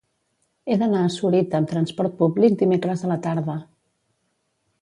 He d'anar a Sorita amb transport públic dimecres a la tarda.